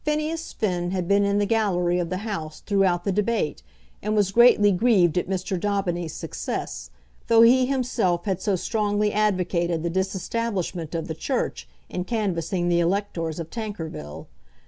Phineas Finn had been in the gallery of the House throughout the debate, and was greatly grieved at Mr. Daubeny's success, though he himself had so strongly advocated the disestablishment of the Church in canvassing the electors of Tankerville.